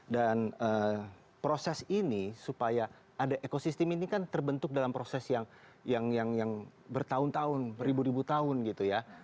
dan proses ini supaya ada ekosistem ini kan terbentuk dalam proses yang bertahun tahun ribu ribu tahun gitu ya